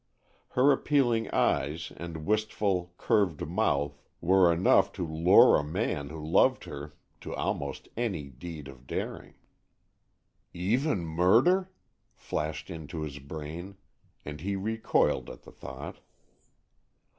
Her appealing eyes and wistful, curved mouth were enough to lure a man who loved her to almost any deed of daring. "Even murder?" flashed into his brain, and he recoiled at the thought.